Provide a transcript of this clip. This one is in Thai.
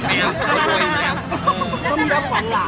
เดี๋ยวจะไปนี่กำลังก็ดูสิเฮียนก็ทำงาน